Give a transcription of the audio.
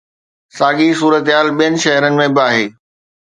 ساڳي صورتحال ٻين شهرن ۾ به آهي.